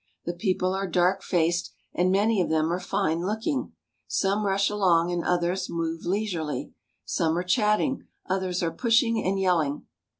The people are dark faced, and many of them are fine looking. Some rush along, and others move leisurely. Some are chatting; others are pushing and yelling.